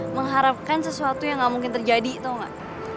mengharapkan sesuatu yang gak mungkin terjadi tau gak